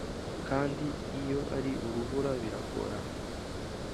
kandi iyo ari urubura biragorana